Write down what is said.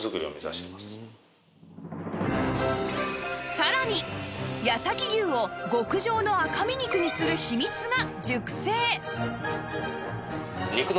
さらに八崎牛を極上の赤身肉にする秘密が